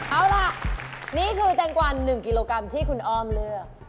เอาล่ะนี่คือแตงกวา๑กิโลกรัมที่คุณอ้อมเลือก